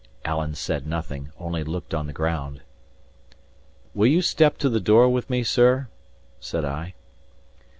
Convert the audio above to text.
Alan said nothing, only looked on the ground. "Will you step to the door with me, sir?" said I.